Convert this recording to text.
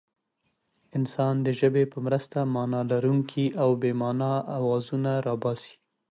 انسان د ژبې په مرسته مانا لرونکي او بې مانا اوازونه را باسي.